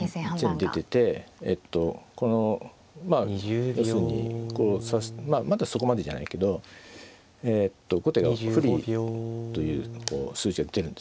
このまあ要するにまだそこまでじゃないけど後手が不利という数値が出てるんですよ。